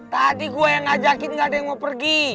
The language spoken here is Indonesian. tadi gue yang ngajakin gak ada yang mau pergi